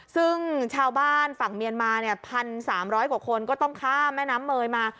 ซึ่งชาวบ้านฝั่งเมียนมา๑๓๐๐กว่าคนก็ต้องข้ามแม่น้ำเมยมา